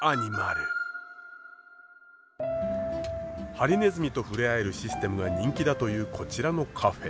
ハリネズミと触れ合えるシステムが人気だというこちらのカフェ。